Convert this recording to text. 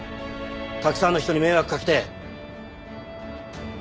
たくさんの人に迷惑かけて。